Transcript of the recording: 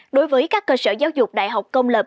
đối với các cơ sở giáo dục đại học công lập